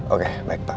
oke baik pak